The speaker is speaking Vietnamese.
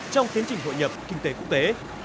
trong tiến trình hội nhập kinh tế quốc tế